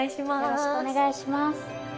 よろしくお願いします。